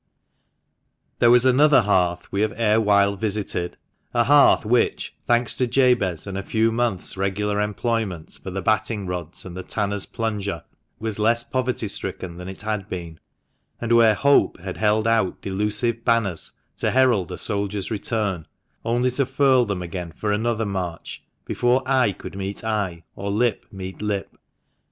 There was another hearth we have ere while visited— a hearth which, thanks to Jabez and a few months' regular employment for the batting rods and the tanner's plunger, was less poverty 144 THE MANCHESTER MAN. stricken than it had been — and where Hope had held out delusive banners to herald a soldier's return, only to furl them again for another march, before eye could meet eye, or lip meet lip.